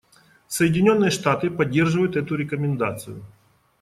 Соединенные Штаты поддерживают эту рекомендацию.